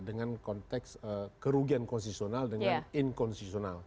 dengan konteks kerugian konsesional dengan inkonsesional